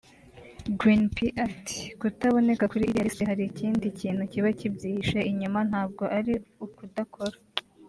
Green P ati “ Kutaboneka kuri iriya list hari ikindi kintu kiba kibyihishe inyuma ntabwo ari ukudakora